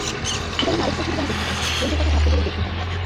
ইদানীং আরেকটা ছবি যেন দেখতে পাই, বন্ধুর কথা ভাবতে গেলেই দেখতে পাই।